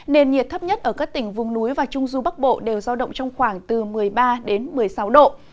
nền nhiệt thấp nhất ở các tỉnh vùng núi và trung du bắc bộ đều giao động trong khoảng từ một mươi ba đến một mươi sáu độ